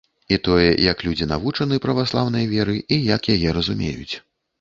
І тое, як людзі навучаны праваслаўнай веры і як яе разумеюць.